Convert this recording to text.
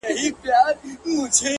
چي لــه ژړا سره خبـري كوم ـ